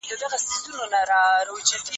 آيا ته پوهېږې چي پرون څه پېښ سوي وو؟